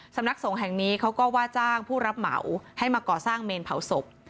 สำนักสงฆ์แห่งนี้เขาก็ว่าจ้างผู้รับเหมาให้มาก่อสร้างเมนเผาศพ